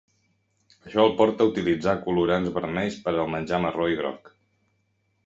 Això el porta a utilitzar colorants vermells per al menjar marró i groc.